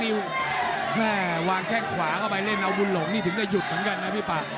แม่วางแข้งขวาเข้าไปเล่นเอาบุญหลงนี่ถึงจะหยุดเหมือนกันนะพี่ป่า